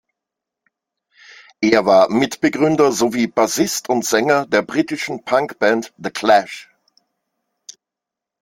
Er war Mitbegründer sowie Bassist und Sänger der britischen Punk-Band The Clash.